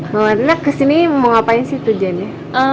mawar enak kesini mau ngapain sih tujuan ya